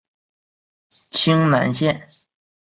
清南线